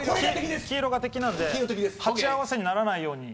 黄色が敵なので鉢合わせにならないように。